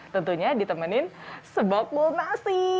tentunya ditemenin sebok bol nasi